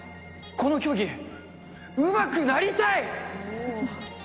この競技、うまくなりたい！